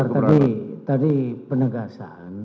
sebenarnya tadi penegasan